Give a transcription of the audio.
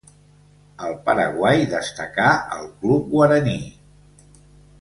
Al Paraguai destacà al Club Guaraní.